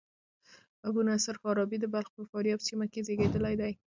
ابو نصر فارابي د بلخ په فاریاب سیمه کښي زېږېدلى دئ.